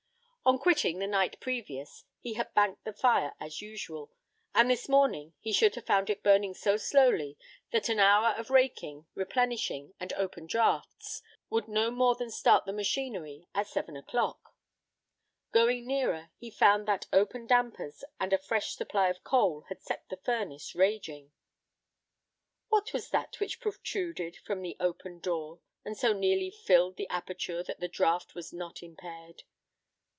On quitting the night previous, he had banked the fire as usual, and this morning he should have found it burning so slowly that an hour of raking, replenishing, and open draughts would no more than start the machinery at seven o'clock. Going nearer he found that open dampers and a fresh supply of coal had set the furnace raging. What was that which protruded from the open door, and so nearly filled the aperture that the draught was not impaired?